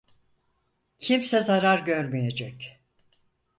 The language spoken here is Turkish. Kimse zarar görmeyecek.